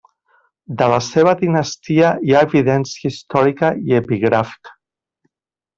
De la seva dinastia hi ha evidència històrica i epigràfica.